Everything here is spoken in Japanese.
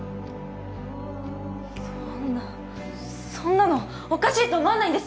そんなそんなのおかしいと思わないんですか！？